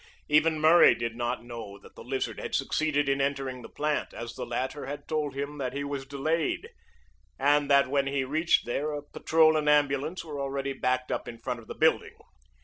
Even Murray did not know that the Lizard had succeeded in entering the plant, as the latter had told him that he was delayed, and that when he reached there a patrol and ambulance were already backed up in front of the building.